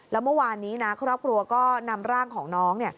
แล้วเมื่อวานนี้นะครอบครัวก็นำร่างของน้อง